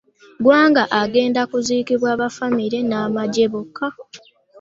Ggwanga agenda kuziikibwa ba ffamire na magye bokka.